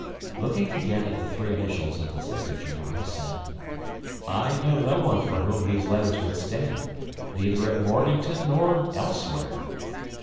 Looking again at the three initials of the signature, I said, "I know no one for whom these letters would stand; neither at Morganton nor elsewhere."